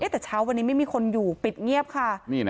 แต่เช้าวันนี้ไม่มีคนอยู่ปิดเงียบค่ะ